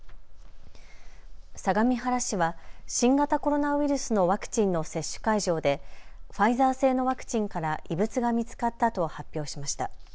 相模原市は新型コロナウイルスのワクチンの接種会場でファイザー製のワクチンから異物が見つかったと発表しました。